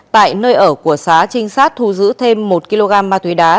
tại nơi ở của sá trinh sát thu giữ thêm một kg ma túy đá